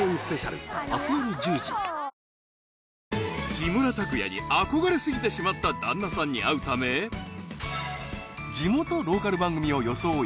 木村拓哉に憧れすぎてしまった旦那さんに会うため地元ローカル番組を装い